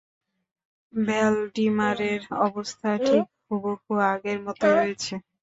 ভ্যালডিমারের অবস্থা ঠিক হুবহু আগের মতোই রয়েছে।